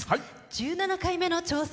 １７回目の挑戦。